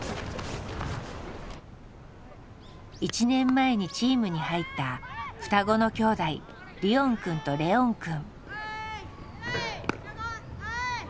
１年前にチームに入った双子の兄弟リオンくんとレオンくん。